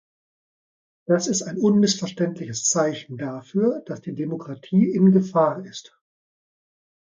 Das ist ein unmissverständliches Zeichen dafür, dass die Demokratie in Gefahr ist.